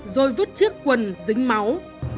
rồi vứt chiếc quần dính máu